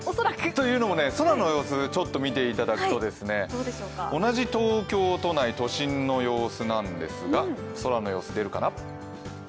というのも空の様子、ちょっと見ていただくと同じ東京都内、都心の様子なんですが空の様子、出るかな？